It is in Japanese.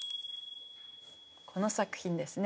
この作品ですね